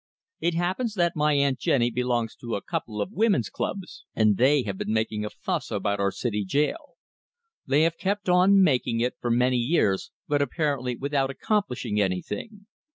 It happens that my Aunt Jennie belongs to a couple of women's clubs, and they have been making a fuss about our city jail; they have kept on making it for many years, but apparently without accomplishing anything.